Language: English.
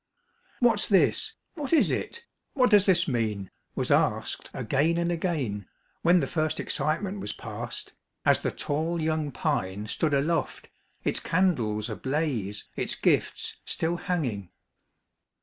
"What's this? What is it? What does this mean?" was asked again and again, when the first excitement was passed, as the tall young pine stood aloft, its candles ablaze, its gifts still hanging.